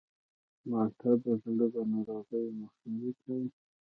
مالټه د زړه د ناروغیو مخنیوی کوي.